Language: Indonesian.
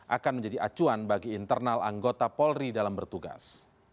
akan menjadi acuan bagi internal anggota polri dalam bertugas